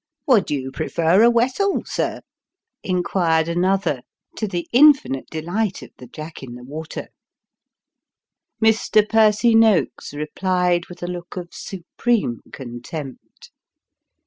"Would you prefer a wessel, sir?" inquired another, to the infinite delight of the " Jack in the water," On Board. 295 Mr. Percy Noakes replied with a look of supremo contempt.